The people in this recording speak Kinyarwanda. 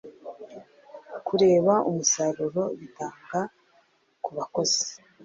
kureba umusaruro bitanga ku bakozi